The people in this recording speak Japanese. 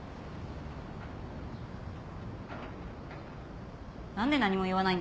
何で何も言わないんですか？